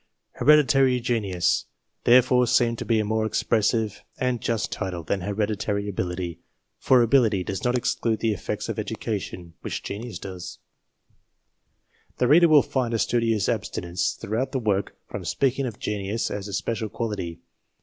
Hereditary Genius therefore seemed to be a more expressive and just title than Hereditary Ability, for ability does not exclude the effects of education, which TO THE EDITION OF 1892 genius does. The reader will find a studious abstinence o throughout the work from speaking of genius as a special quality.